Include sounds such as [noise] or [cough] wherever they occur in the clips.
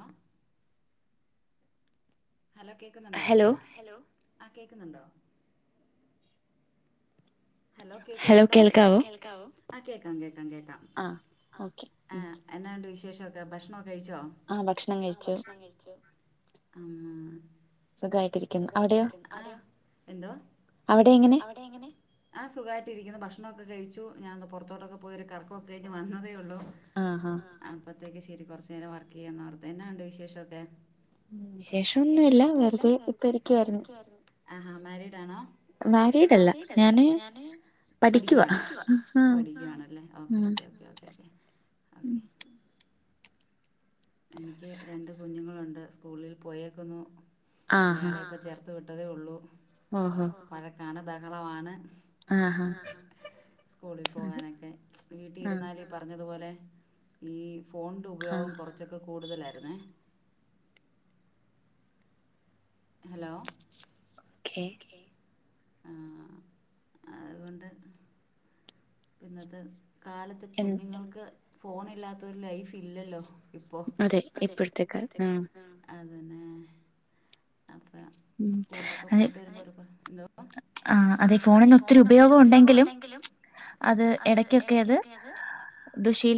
ആഹ് hello കേക്കുന്നുണ്ടോ hello ആ കേൾക്കുന്നുണ്ടോ? ഹലോ കേക്കുന്നുണ്ടോ കേൾക്കാവോ ആ കേൾക്കാം കേക്കാം കേക്കാം. ആ എന്നാണ്ട് വിശേഷക്കെ ഭക്ഷണംക്കെ കഴിച്ചോ? ആഹ് ഭക്ഷണം കഴിച്ചു. സുഖായിട്ടിരിക്കുന്നു അവിടെയോ അവിടെ എങ്ങന ആഹ് സുഖായിട്ടിരിക്കുന്നു ഭക്ഷണൊക്കെ കഴിച്ചു ഞാൻ ഒന്ന് പുറത്തോട്ടൊക്കെ പോയി കറക്കൊക്കെ കഴിഞ്ഞ് വന്നതേ ഉള്ളൂ അപ്പത്തേക്ക് ശരി കൊറച് നേരം വർക്ക് ചെയ്യാന്നോർത് എന്നാ ഉണ്ട് വിശേഷൊക്കെ വിശേഷോന്നുല്ല വെറുതെ ഇപ്പരിക്കാരുന്നു ആഹ് മാരീഡ് ആണോ മാരീഡല്ല ഞാന് ഏഹ് പഠിക്കുവാണോ പഠിക്കുവാ ആഹ് പഠിക്കവാണല്ലേ ഒക്കെ ഒക്കെ ഒക്കെ ഒക്കെ എനിക്ക് രണ്ട് കുഞ്ഞുങ്ങളുണ്ട് സ്കൂളിൽ പോയേക്കുന്നു ഇളായാളെ ഇപ്പോ ചേർത് വിട്ടതേ ഉള്ളൂ വഴക്കാണ് ബഹളവാണ് ആഹ് സ്കൂളിൽ പോകാനൊക്കെ വീട്ടിൽ ഇരുന്നാലും പറഞ്ഞതുപോലെ ഈ ഫോണിന്റെ ഉപയോഗം കുറച്ചൊക്കെ കൂടുതലായിരുന്നേ ഹലോ ഓക്കേ ആഹ് അതുകൊണ്ട് പിന്നെത്തെ കാലത്ത് കുഞ്ഞുങ്ങൾക്ക് ഫോണ് ഇല്ലാത്തൊരു ലൈഫ് ഇല്ലല്ലോ ഇപ്പോ അതെ ഇപ്പോഴത്തേ അതന്നെ അപ്പൊ സ്കൂളിലൊക്കെ പോയിട്ട് എന്തോ ആഹ് അതെ ഫോണിന് ഒത്തിരി ഉപയോഗം ഉണ്ടെങ്കിലും അത് ഇടക്കൊക്കെ അത്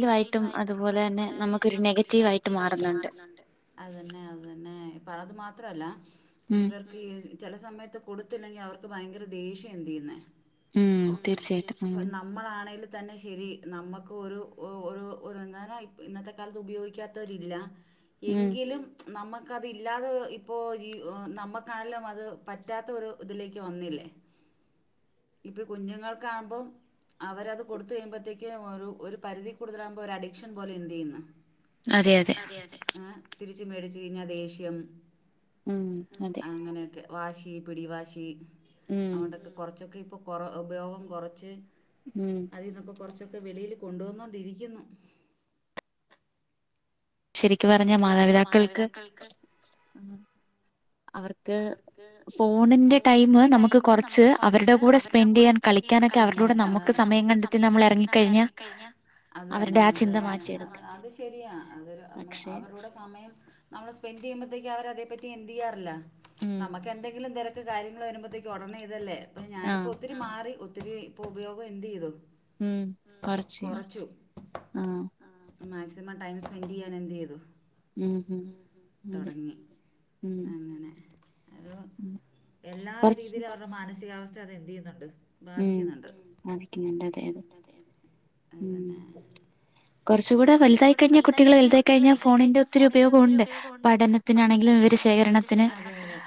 ദുശീലായിട്ടും അതുപോലെ തന്നെ നമുക്കൊരു നെഗറ്റീവായിട്ടും മാറുന്നുണ്ട് അത് തന്നെ അത് തന്നെ ഇപ്പ അത് മാത്രല്ല ഇവർക്ക് ചെല സമയത്ത് കൊടുത്തില്ലെങ്കിൽ അവർക്ക് ഭയങ്കര ദേഷ്യം എന്ത് ചെയ്യുന്നേ മ് തീർച്ചയായിട്ടും. പ്പം നമ്മൾ നമ്മളാണെങ്കിൽ തന്നെ ശെരി നമ്മുക്ക് ഒരു ഒരു ഒര് [unintelligible] ഇന്നത്തെ കാലത്ത് ഉപയോഗിക്കാത്തെ ത്തോരില്ല എങ്കിലും നമുക്കതില്ലാതെ ഇപ്പോൾ ജീ നമുക്കാണെങ്കിലും അത് പറ്റാത്തൊരു ഇതിലേക്ക് വന്നില്ലേ ഇപ്പൊ ഈ കുഞ്ഞുങ്ങൾക്കാകുമ്പം അവരത് കൊടുത്ത് കഴിയുമ്പോത്തേക്ക് ഒരു ഒരു പരിധി കൂടുതലാകുമ്പോ ഒരു അഡിക്ഷൻ പോലെ എന്തേയ്യുന്നെ അതെ അതെ ഏഹ് തിരിച്ചു മേടിച്ചു കഴിഞ്ഞാ ദേഷ്യം അങ്ങനെയൊക്കെ വാശി പിടിവാശി അവോണ്ടൊക്കെ കൊറച്ചൊക്കെ ഇപ്പൊ കൊറ ഉപയോഗം കുറച്ച് ഉം.. അതിൽന്നൊക്കെ കൊറച്ചൊക്കെ വെളിയിൽ കൊണ്ട് വന്നോണ്ടിരിക്കുന്നു. ശരിക്ക് പറഞ്ഞ മാതാപിതാക്കൾക്ക് അവർക്ക് അവർക്ക് ഫോണിന്റെ ടൈം നമ്മുക്ക് കുറച്ച് അവരുടെ കൂടെ സ്പെ സ്പെൻഡയ്യാൻ കളിക്കാനൊക്കെ അവർടെ കൂടെ നമ്മുക്ക് സമയം കണ്ടെത്തി നമ്മൾ ഇറങ്ങി കഴിഞ്ഞാ അവർടെ ആ ചിന്ത മാറ്റം. അത് ശെരിയാ അതൊരു അവ അവരുടെ സമയം നമ്മള് സ്പെൻഡ്‌ ചെയ്യുമ്പോഴത്തേക്ക് അവരതേ പറ്റി എന്ത് ചെയ്യാറില്ല നമുക്കെന്തെങ്കിലും തെര ക്ക് കാര്യങ്ങൾ വരുമ്പോത്തേക്ക് ഒടനെയിതല്ലേ അപ്പം ഞാനിപ്പോ ഒത്തിരി മാറി ഒത്തിരി ഇപ്പൊ ഉപയോഗം എന്ത് ചെയ്തു ഉം കൊറച്ച് ആഹ് മാക്സിമം ടൈം സ്പെൻഡ് ചെയ്യാൻ എന്ത് ചെയ്തു തൊടങ്ങി അങ്ങനെ അതൊ എല്ലാ രീതിയിലും അവ മാനസികാവസ്ഥ അത് എന്ത് ചെയ്യുന്നുണ്ട് ബാധിക്കുന്നുണ്ട്. അത് തന്നെ കൊറച്ച് കൂടെ വലുതായി കഴിഞ്ഞ കുട്ടികൾ വലുതായി കഴിഞ്ഞാൽ ഫോണിന്റെ ഒത്തിരി ഉപയോഗം ഉണ്ട് പഠനത്തിനാണെങ്കിലും വിവര ശേഖരണത്തിന്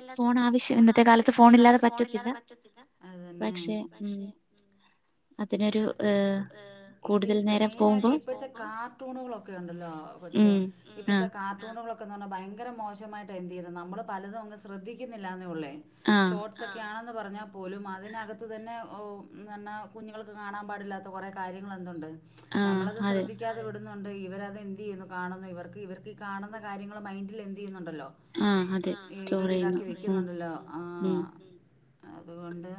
എല്ലാത്തിനും ഫോൺ ആവശ്യം ഇന്നത്തെ കാലത്ത് ഫോണ് ഇല്ലാതെ പറ്റ റ്റത്തില്ല അത്‌തന്നെ പക്ഷേ അതിനൊരു അതിനൊരു ഏ മെയിനായിട്ട് ഇപ്പോഴത്തെ കാർട്ടൂണുകളൊക്കെ ഉണ്ടല്ലോ കൊച്ചേ ഇപ്പോഴത്തെ കാർട്ടൂണുകളൊക്കെ ക്കെന്ന് പറഞ്ഞ ഭയങ്കര മോശമായിട്ട എന്ത് ചെയ്യ്ന്നെ നമ്മള് പലതും അങ്ങ് ശ്രദ്ധിക്കുന്നില്ലന്നൊള്ളേ ഷോ ർട്ട്സൊക്കെ ആണെന്ന് പറഞ്ഞാൽ പോലും അതിനകത്ത് തന്നെ ഓ ന്ന് പറഞ്ഞ കുഞ്ഞുങ്ങൾക്ക് കാണാൻ പാടില്ലാത്ത കൊറെ കാര്യങ്ങൾ എന്തുണ്ട് നമ്മൾ അത് ശ്രദിക്കാതെ വിടു ന്നുണ്ട് ഇവരത് എന്ത് ചെയ്യുന്നു കാണുന്നു ഇവർക്ക് ഇവർക്ക് ഈ കാണുന്ന കാര്യങ്ങൾ മൈൻഡില് എന്ത് ചെയ്യുന്നുണ്ടല്ലോ ഇവര് ഇതാക്കി വെക്കുന്നുണ്ടല്ലോ ആഹ് അത്കൊണ്ട്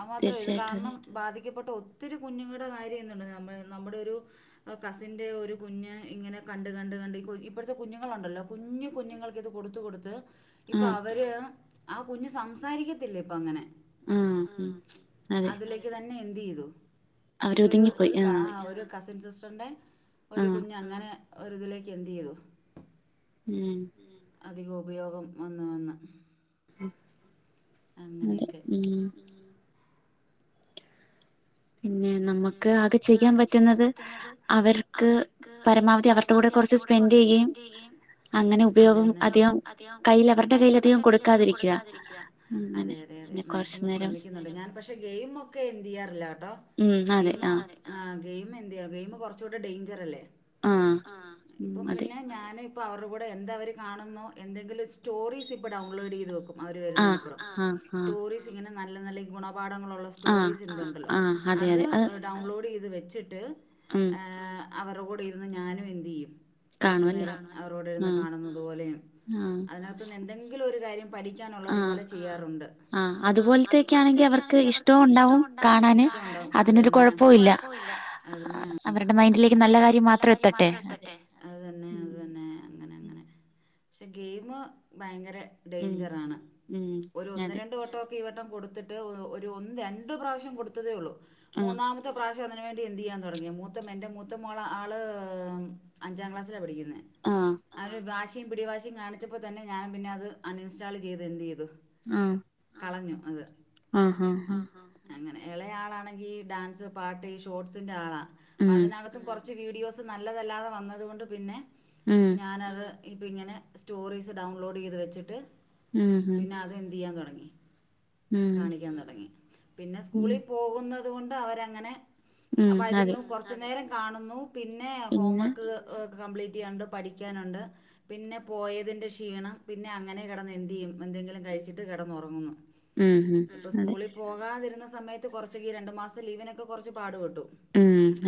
അത് മാത്രല്ല ഇത് കാരണം ബാധിക്കപ്പെട്ട ഒത്തിരി കുഞ്ഞുങ്ങളുടെ കാര്യം ഇന്ന്ണ്ട് നമ്മൾ നമ്മടെ ഒരു കസിൻ്റെ ഒരു കുഞ്ഞ് ഇങ്ങനെ കണ്ട് കണ്ട് കണ്ട് ഈ കൊ ഇപ്പോഴത്തെ കുഞ്ഞുങ്ങളുണ്ടല്ലോ കുഞ്ഞ് കുഞ്ഞുങ്ങൾക്കിത് കൊടുത്ത് കൊടുത്ത് ഇപ്പൊ അവര് ആ കുഞ്ഞ് സംസാരിക്കത്തില്ല ഇപ്പൊ അങ്ങനെ അതിലേക്ക് തന്നെ എന്ത് ചെയ്തു അവര് ഒതുങ്ങി ഒരു പോ ആ ഒരു കസിൻ സിസ്റ്ററിന്റെ ഒരു കുഞ്ഞങ്ങനെ ഒരുതിലേക്ക് എന്ത് ചെയ്തു ഉം അധികം ഉപയോഗം വന്ന് വന്ന് അങ്ങനെയൊക്കെ പിന്നെ നമ്മക്ക് ആകെ ചെയ്യാൻ പറ്റുന്നത് അവർക്ക് പരമാവധി അവർ പരമാവധി അവർടെ കൂടെ കൊറച്ച് സ്പെൻഡ് ചെയ്യുകയും അങ്ങനെ ഉപയോഗം അധികം കയ്യില് അവർടെ കയ്യ്ലധികം കൊടുക്കാതിരിക്ക. അതെ അതെ അതെ മാക്സിമം ശ്രിക്കുന്നുണ്ട് ഞാൻ പക്ഷെ ഗെയിമൊക്കെ എന്ത് ചെയ്യാറില്ല കേട്ടോ ഗെയിമോ ആഹ് ഗെയിം എന്ത് ഗെയിം കുറച്ചുകൂടി ഡേഞ്ചർ അല്ലേ ഇപ്പം പിന്നെ ഞാന് അപ്പോൾ അവരുടെ കൂടെ എന്ത അവർ കാണുന്നോ എന്തെങ്കിലും സ്റ്റോറീസ് ഇപ്പോൾ ഡൗൺലോഡ് ചെയ്ത് വെക്കും അവര് വരുന്നതിനന്പ്പുറം സ്റ്റോറിസ് ഇങ്ങനെ നല്ല നല്ലഈ ഗുണപാഠങ്ങളുള്ള സ്റ്റോറീസ് ഇണ്ട ഉണ്ടല്ലോ ഡൗൺലോഡ് ചെയ്ത് വെച്ചിട്ട് അവരു കൂടെ ഇരുന്ന് ഞാനും എന്ത്ചെയ്യും കുറച്ചു നേരം അവരോട് ഇരുന്ന് കാണുന്നത് പോലെയ അതിനകത്ത്എന്തെങ്കിലും ഒരു കാര്യം പഠികാണാൻ ഉള്ളത് പോലെ ചെയാർ ഉണ്ട് അത് പോലത്തെ ഒക്കെ ആണെങ്കിൽ അവർക്ക് ഇഷ്ടം ഉണ്ടാവും ക ണാനും അതിനൊരു കുഴപ്പവല്ല അവരുടെ മൈന്റിലേക്ക് നല്ല കാര്യം മാത്രം എത്തട്ടെ അതു തന്നെ അതു തന്നെ അങ്ങനെ അങ്ങനെ പക്ഷെ ഗെയിമ് ഭയങ്കര ഡേയിഞ്ചറാണ് ഒരു ഒന്ന് രണ്ട് വടം ഈവട്ടം കൊടുത്തിട്ട് ഒ ഒരു രണ്ട് പ്രാവശ്യം കൊടുത്തതേ ഉള്ളൂ മൂന്നാമത്തെ പ്രാവശ്യം എന്ന അതിനു വേണ്ടി എന്ത് ചെയ്യാൻ തുടങ്ങി മൂത്തമെന്റ എന്റെ മുത്ത ആള് അഞ്ചാം ക്ലാസില പഠിക്കുന്നത് ഒരു വാശി പിടിവാശി കാണിച്ചപ്പോ തന്നെ ഞാൻ പിന്നത് അൺ ഇൻസ്റ്റാൾ ചെയ്ത് എന്ത് ചെയ്തു ആളഞ്ഞു അത് അങ്ങനെ ഇളയ ആളാണെങ്കി ഡാൻസ് പാട്ട് ഈ ഷോർട്സിന്റെ ആളാ അപ്പ അതിനകത്തും കുറച്ച് കുറച്ച് വീഡിയോസ് നല്ലതല്ലാതെ വന്നതുകൊണ്ട് പിന്നെ ഞാനത് ഇപ്പ ഇങ്ങനെ സ്റ്റോറീസ് ഡൗൺലോഡ് ചെയ്ത് വെച്ചിട്ട് പിന്നെ അത് എന്ത്ചെയ്യാൻ തുടങ്ങി കാണിക്കാൻ തുടങ്ങി പിന്നെ സ്കൂളിൽ പോകുന്നുന്നത് കൊണ്ട് അവരങ്ങനെ വരുന്നു കുറച്ചു നേരം കാണുന്നു പിന്നെ ഹോംവർക്ക് കംപ്ലീറ്റ് ചെയ്യാനുണ്ട് പഠിക്കാനുണ്ട് പിന്നെ പോയതിന്റെ ക്ഷീണം പിന്നെ അങ്ങനെ കിടന്ന് എന്താചെയ്യും എന്തെങ്കിലും കഴിച്ചിട്ട് കിടന്നു ഉറങ്ങുന്നു ഇപ്പൊ സ്കൂളിൽ പോകാതിരുന്ന സമയത്ത് കുറച്ചഈ രണ്ടു മാസം ലീവിനൊക്കെ കൊറച് പാടുപെട്ടു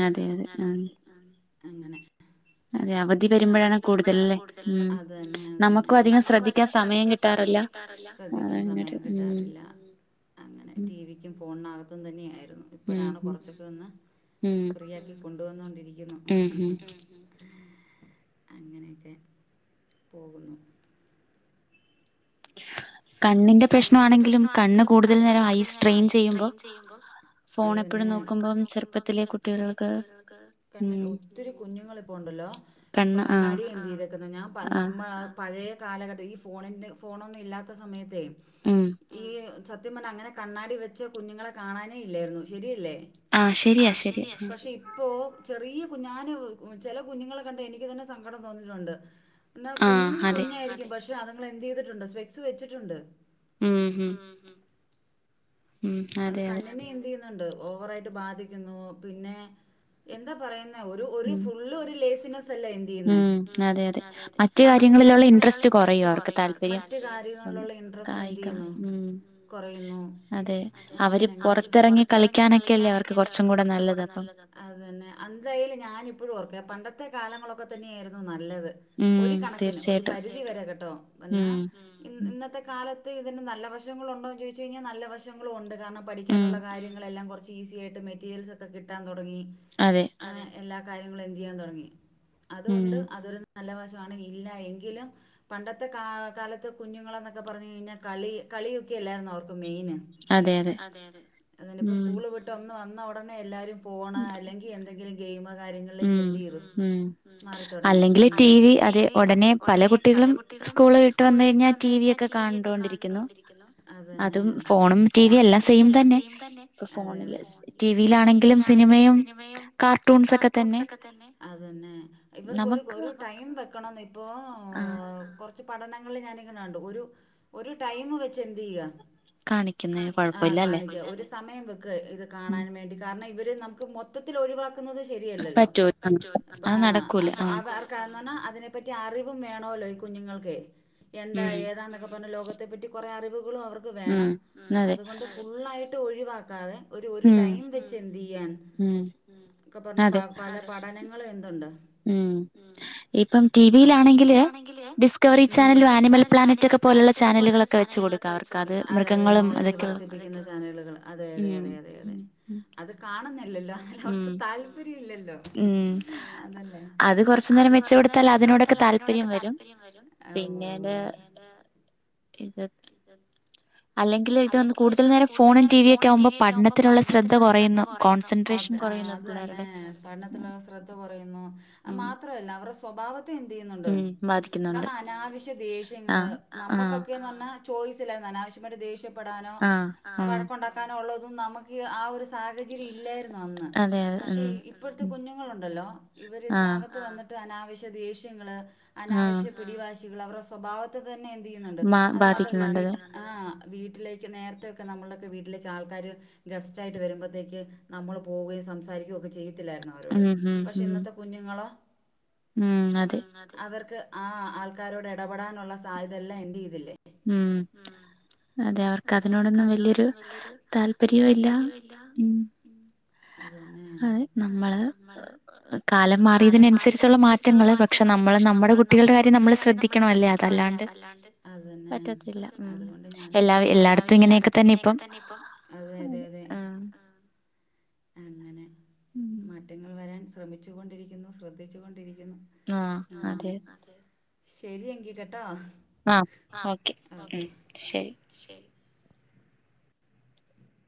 ഉം അതെ അതെ ആ അങ്ങനെ അതെ അവധി വരുമ്പോഴാണ് കൂടുതൽ അലെ നമുക്കും അധികം ശ്രദ്ധിക്കാൻ സമയം കിട്ട ശ്രദ്ധിക്കാൻ സമയം കിട്ടാറില്ല അങ്ങനെ ടി വി ശരിക്കും ഫോണിനകത്തും തന്നെയായിരുന്നു ഇപ്പോഴാണ് കുറച്ചൊക്കെ ഒന്ന് ഫ്രീ ആക്കി കൊണ്ടുവന്നോണ്ടിരി ഉംഉം അങ്ങനെയൊക്കെ പോകുന്നു കണ്ണിന്റെ പ്രശ്ണാണെങ്കിലും കണ്ണ് കൂടുതൽ നേരം ഐ സ്ട്രെയിൻ ചെയ്യുമ്പോ അതുന്നെ ഫോൺ എപ്പഴും നോക്കുമ്പോം ചെറുപ്പത്തിലെ കുട്ടികൾക്ക് കണ്ണ് ഒത്തിരി കുഞ്ഞുങ്ങള് ഇപ്പ ഉണ്ടല്ലോ ഇപ്പൊ കണ്ണാടി എന്ത് ചെയ്തേക്കുന്ന ഞാൻ പാ നമ്മളാ പഴയ കാലഘട്ടം ഈ ഫോണിന്റെ ഫോണൊന്നും ഇല്ലാത്ത സമയത്ത് ഈ സത്യം പറഞ്ഞാൽ അങ്ങനെ കണ്ണാടി വെച്ച കുഞ്ഞുങ്ങളെ കാണാനേ ഇല്ലായിരുന്നു ശരിയല്ലേ പക്ഷെ ഇപ്പോ ചെറിയ കുഞ്ഞാൻ ഞാന് ചില കുഞ്ഞുങ്ങളെ കണ്ട് എനിക്ക് തന്നെ സങ്കടം തോന്നിയിട്ടുണ്ട് ന്ന കുഞ്ച് കുഞ്ഞായിരിക്കും പക്ഷെ അതുങ്ങള് എന്ത് ചെയ്തിട്ടുണ്ട് ഫ്ലെക്സ് വെച്ചിട്ടുണ്ട് ഉം ഹും. അത് കണ്ണിന് എന്ത് ചെയ്യുന്നുണ്ട് ഓവറായിട്ട് ബാധിക്കുന്നു പിന്നെ എന്താ പറയന്നേ ഒരു ഫുള്ള് ഒരു ലേസിനെസല്ലേ അതെ അതെ മറ്റ് കാര്യങ്ങളിലുള്ള ഇൻട്രസ്റ്റ് കുറയും അവർക്ക് താൽ മറ്റ് കാര്യങ്ങളിലുള്ള ഇന്റെറെസ്റ്റ്‌ എന്ത് ചെയ്യുന്നു കുറയുന്നു. അവര് പുറത്തിറങ്ങി കളിക്കാനൊക്കെല്ലേ അവർക്ക് കുറച്ചും കൂടെ നല്ലത് അന്തായീല് ഞാനിപ്പോഴും ഓർക്കെ പണ്ടത്തെ കാലങ്ങളൊക്കെ തന്നെയായിരുന്നു നല്ലത് ഒരു കണക്കിന് ഒരു പരിധി വരെ കെട്ടോ വന്നാ ഇ ഇന്നത്തെ കാലത്ത് ഇതിന് നല്ല വശങ്ങളുണ്ടോന്ന് ചോദിച്ചു കഴിഞ്ഞാൽ നല്ല വശം ങ്ങളുണ്ട് കാരണം പഠിക്കാനുള്ള കാര്യങ്ങളെല്ലാം കുറച്ച് ഈസി ആയിട്ട് മെറ്റീരിയൽസ് ഒക്കെ കിട്ടാൻ തുടങ്ങി അതെ അങ്ങ എല്ലാ കാര്യങ്ങളും എന്ത് ചെയ്യാൻ തുടങ്ങി അതും ണ്ട് അതൊരു നല്ല വശാണ് ഇല്ല എങ്കിലും പണ്ടത്തെ കാ കാലത്ത് കുഞ്ഞുങ്ങള് ന്നൊക്കെ പറഞ്ഞു കഴിഞ്ഞാൽ കളി കളിയൊക്കെല്ലായിരുന്നോ അവർക്ക് മെയിന് അതെ അതെ അതെന്നെ ഇപ്പോ സ്കൂള് വിട്ട് ഒന്ന് വന്ന ഉടനെ എല്ലാരും ഫോണ് അല്ലെങ്കിൽ എന്തെങ്കിലും ഗെയിമ് കാര്യങ്ങളിലേക്ക് എന്ത് ചെയ്തു മാറി തുടങ്ങി അല്ലെങ്കിൽ ടി വി അതെ ഉടനെ പല കുട്ടികളും സ്കൂള് വിട്ട് വന്ന് കഴിഞ്ഞാൽ ടി വി ക്കെ കണ്ടോണ്ടിരിക്കുന്നു അത് ന്നേ അതും ഫോണും ടിവിയല്ലാം സെയിം തന്നെ ടി വിയിലാണെങ്കിലും സിനിമയും കാർ ട്ടൂൺസ് ഒക്കെ തന്നെ അ തന്നെ ഇവർക്ക് ഒരു രു ടൈം വെക്കണം ഏ പോ കൊർ ച്ച് പഠനങ്ങളിൽ ഞാനിങ്ങനേ കണ്ടു. ഒരു ഒരു ടൈം വെച്ച് എന്ത് ചെയ്യാ ആ കാണിക്ക ഒരു സമയം വെക്ക് ഇത് കാണാൻ വേണ്ടി കാരണം ഇവര് നമുക്ക് മൊത്തത്തിൽ ഒഴിവാ ക്കുന്നത് ശരിയല്ലല്ലോ പറ്റൂല ആ അത് അർ കാരണം അതിനെപ്പറ്റി അറിവും വേണല്ലോ ഈ കുഞ്ഞുങ്ങൾക്ക് എന്താ ഏതാന്നൊക്കെ പറഞ്ഞ് ഈ ലോകത്ത് ത്തെ പറ്റി കുറേ അറിവുകളും അവർക്ക് വേണം അതുകൊണ്ട് ഫുള്ളായിട്ട് ഒഴിവാക്കാതെ ഒരു രു ടൈം വെച്ച് എന്ത് ചെയ്യാൻ ഒക്കെ പറഞ്ഞ് പ പല പഠന ങ്ങളിൽ എന്തുണ്ട്? ഉം... ഇപ്പം ടി വിയിലാണെങ്കില് ഡിസ്കവറി ചാനലും ആനിമൽ പ്ലാനറ്റ് ഒക്കെ പോലുള്ള ചാനലുകളൊക്കെ വെച്ച് കൊടു അവർക്കത് മൃഗങ്ങളും [unintelligible] ക്കുന്ന ചാനലുകൾ അതതെതെതതെ അത് കാണുന്നെയ ല്ലല്ലോ? അവർക്ക് താല്പര്യം ഇല്ലല്ലോ. ഉം. അത് കൊറച്ച് നേരം വെച്ച് കൊടുത്താൽ അതിനോടൊക്കെ താല്പര്യം വരും ആഹ് ഉവ്വവ്വ.. ആ ഇതെട്ട് അല്ലെങ്കിലും ഇതു കൂടുതൽ നേരം ഫോണും ടി വി ഒക്കെ ആവുമ്പോൾ പഠനത്തിലുള്ള ശ്രദ്ധ കൊറയും. ആഹ് അത് തന്നെ പഠനത്തിലുള്ള ശ്രദ്ധ കുറയുന്നു അത് മാത്രല്ല അവരുടെ സ്വഭാവ എന്ത് ചെയ്യുന്നുണ്ട് കാരണം അനാവശ്യ ദേഷ്യങ്ങള് നമ്മുക്കൊക്കെന്ന് പറഞ്ഞാ ചോയിച്ചില്ലാരുന്നോ അനാവശ്യമായിട് ദേഷ്യപ്പെടാനോ വഴക്കൊണ്ടാക്ക ക്കാനുള്ളതും നമുക്ക് ആ ഒരു സാഹചര്യം ഇല്ലായിരുന്നു. പക്ഷെ ഇപ്പോഴത്തെ കുഞ്ഞുങ്ങളുണ്ടല്ലോ ഇവർ ഇതിനകത്ത് വന്നിട്ട് അനാവശ്യ ദേഷ്യങ്ങൾ അനാവശ്യ പിടിവാശികൾ അവരുടെ സ്വഭാവ തന്നെ എന്ത് ചെയ്യുന്നുണ്ട് അത് മാത്രല്ല ആഹ് വീട്ടിലേക്ക് നേരത്തെയൊക്കെ നമ്മളൊക്കെ വീട്ടിലേക്ക് ആൾക്കാര് ഗസ്റ്റായിട്ട് വരുമ്പോത്തേക്ക് നമ്മൾ പോവുകയും സംസാരിക്കുകയും ഒക്കെ ചെയ്യത്തില്ലായിരുന്നോ? അവരോട് പക്ഷെ ഇന്നത്തെ കുഞ്ഞുങ്ങളോ അവർക്ക് ആ ആൾക്കാരോട് ഇടപെടാനുള്ള സാധ്യതയല്ല എല്ലാം എന്റെയിതില്ലേ? ഉം അതെ അവർക്ക് അതിനോടൊന്നും വല്യ ഒരു താല്പര്യോല്ല ഉം. അത് ന്നേ നമ്മള് കാലം മാറിയതിനനുസരിച്ചുള്ള മാറ്റ പക്ഷെ നമ്മള് നമ്മുടെ കുട്ടികളുടെ കാര്യം നമ്മള് ശ്രദ്ധിക്കണംല്ലേ അതല്ലാണ്ട് അതെ അതുകൊണ്ട് ഞാനും കൊറെ എല്ലായിടത്തും ഇങ്ങനെയൊക്കെ തന്നെ ഇപ്പം അതെ അതെ അതെ അങ്ങനെ മ വരാൻ ശ്രമിച്ചൊണ്ടിരിക്കുന്നു ശ്രദ്ധിച്ചൊണ്ടിരിക്കുന്നു ആഹ് അതെ. ശരി എങ്കിൽ കേട്ടോ? ആ ഓക്കെ ഉം ശരി. ശരി